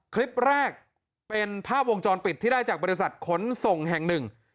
คลิปแรกเป็นภาพวงจรปิดที่ได้จากบริษัทขนส่งแห่งหนึ่ง